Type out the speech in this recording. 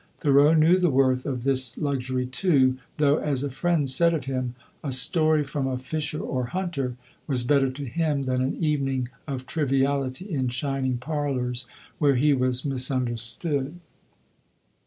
Thoreau knew the worth of this luxury, too, though, as a friend said of him, "a story from a fisher or hunter was better to him than an evening of triviality in shining parlors, where he was misunderstood."